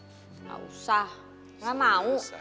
nggak usah nggak mau